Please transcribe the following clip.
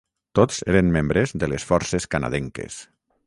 Tots eren membres de les Forces Canadenques.